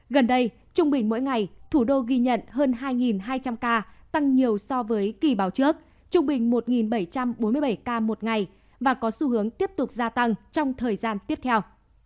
gần đây trung bình mỗi ngày thủ đô ghi nhận hơn hai hai trăm linh ca tăng nhiều so với kỳ báo trước trung bình một bảy trăm bốn mươi bảy ca một ngày và có xu hướng tiếp tục gia tăng trong thời gian tiếp theo